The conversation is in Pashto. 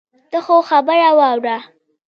ته خو خبره واوره.